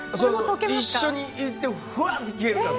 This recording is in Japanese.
一緒にいってふわっと消える。